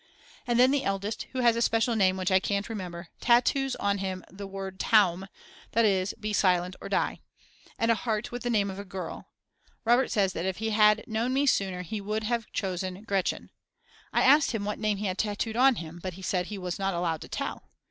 And then the eldest, who has a special name which I can't remember, tattoos on him the word Taum, that is Be Silent or Die, and a heart with the name of a girl. Robert says that if he had known me sooner he would have chosen "Gretchen." I asked him what name he had tattooed on him, but he said he was not allowed to tell.